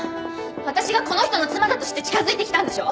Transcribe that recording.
私がこの人の妻だと知って近づいてきたんでしょ？